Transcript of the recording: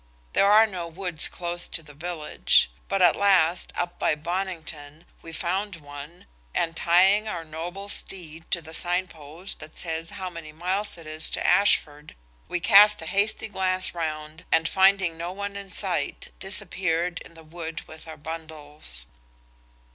There are no woods close to the village. But at last, up by Bonnington, we found one, and tying our noble steed to the sign post that says how many miles it is to Ashford, we cast a hasty glance round, and finding no one in sight disappeared in the wood with our bundles.